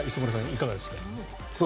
いかがですか？